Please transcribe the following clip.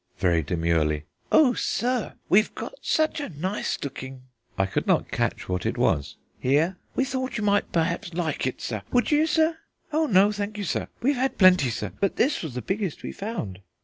(Very demurely): "O sir, we've got such a nice looking " (I could not catch what it was) "here; we thought you might perhaps like it, sir. Would you, sir?... Oh no, thank you, sir, we've had plenty, sir, but this was the biggest we found."